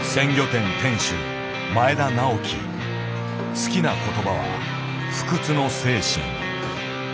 好きな言葉は「不屈の精神」。